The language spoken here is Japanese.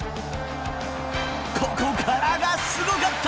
ここからがすごかった。